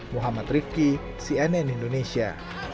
muhammad rifqi cnn indonesia